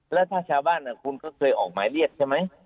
แล้วถ้าชาวบ้านคุณก็เคยออกหมายเรียกใช่ไหม